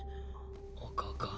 おかか。